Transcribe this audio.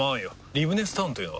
リブネスタウンというのは？